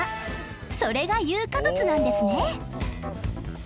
それが有価物なんですね！